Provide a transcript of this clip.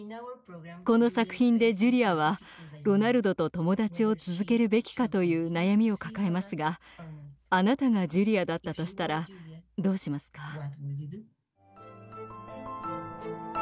この作品でジュリアはロナルドと友だちを続けるべきかという悩みを抱えますがあなたがジュリアだったとしたらどうしますか？